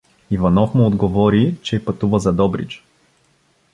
Иванов му отговори, че пътува за Добрич.